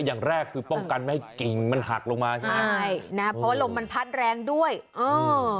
อย่างแรกคือป้องกันไม่ให้กิ่งมันหักลงมาใช่ไหมใช่นะเพราะว่าลมมันพัดแรงด้วยเออ